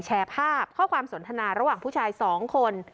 แชร์ภาพข้อความสนทนาระหว่างผู้ชาย๒คน